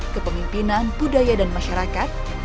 kepemimpinan budaya dan masyarakat